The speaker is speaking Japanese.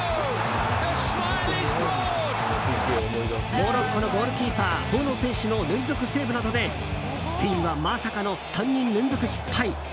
モロッコのゴールキーパーボノ選手の連続セーブなどでスペインはまさかの３人連続失敗。